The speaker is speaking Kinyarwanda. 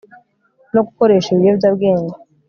no gukoresha ibiyobyabwenge